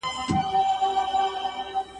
زما د آه جنازه څه سوه؟ !.